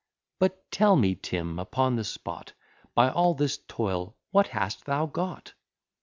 But tell me, Tim, upon the spot, By all this toil what hast thou got?